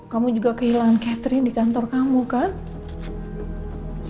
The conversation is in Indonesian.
kamu juga kehilangan catering di kantor kamu kan